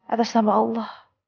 atas nama allah